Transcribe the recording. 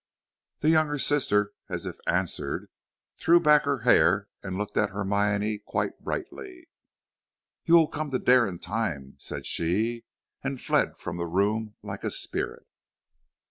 The younger sister, as if answered, threw back her hair and looked at Hermione quite brightly. "You will come to dare in time," said she, and fled from the room like a spirit.